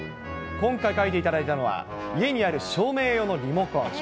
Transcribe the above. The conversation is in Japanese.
今回描いていただいたのは、家にある照明用のリモコン。